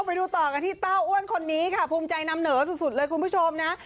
ไปดูต่อกันที่เต้าอ้วนคนนี้ค่ะภูมิใจนำเหนอสุดเลยคุณผู้ชมนะ